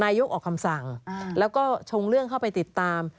ยกออกคำสั่งแล้วก็ชงเรื่องเข้าไปติดตาม